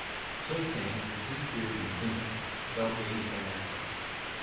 So saying, he disappeared in a twinkling, without waiting for an answer.